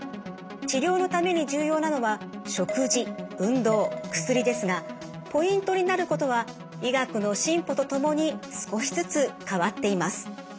治療のために重要なのは食事運動薬ですがポイントになることは医学の進歩とともに少しずつ変わっています。